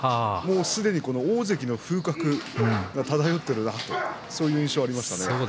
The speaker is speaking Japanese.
すでに大関の風格が漂っているなという印象でした。